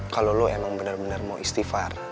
kalo lu emang bener bener mau istighfar